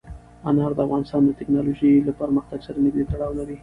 انار د افغانستان د تکنالوژۍ له پرمختګ سره نږدې تړاو لري.